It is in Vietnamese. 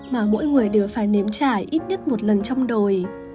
mà mỗi người đều phải nếm trải ít nhất một lần trong đồi